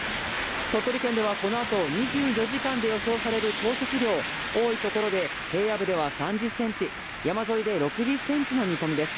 鳥取県ではこのあと２４時間で予想される降雪量、多いところで平野部では３０ｃｍ、山沿いで６０ｃｍの見込みです。